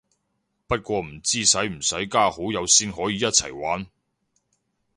不過唔知使唔使加好友先可以一齊玩